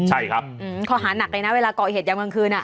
ใช่ครับข้อหานักเลยนะเวลาก่อเหตุยามกลางคืน